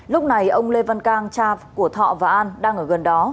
lúc này ông lê văn cang cha của thọ và an đang ở gần đó